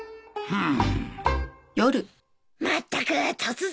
うん。